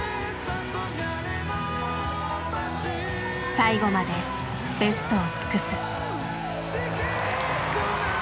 最後までベストを尽くす。